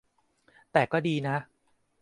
แต่ก็ดีนะ